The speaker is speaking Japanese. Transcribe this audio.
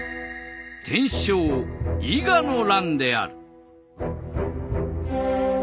天正伊賀の乱である。